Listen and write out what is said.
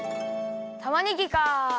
たまねぎか。